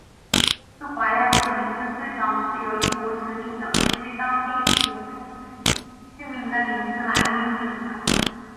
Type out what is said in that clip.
乌斯怀亚这个名字最早是由英国殖民者根据当地土着居民的名字来命名的。